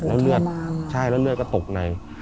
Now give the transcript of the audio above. แล้วเลือดใช่แล้วเลือดก็ตกใน